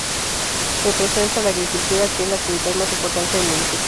Representa la agricultura que es la actividad más importante del municipio.